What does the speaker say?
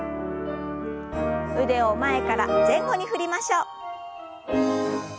腕を前から前後に振りましょう。